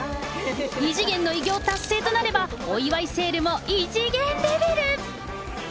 異次元の偉業達成となれば、お祝いセールも異次元レベル。